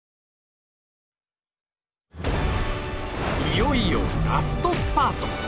いよいよラストスパート！